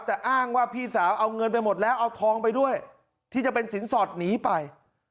แต่อ้างว่าพี่สาวเอาเงินไปหมดแล้วเอาทองไปด้วยที่จะเป็นสินสอดหนีไป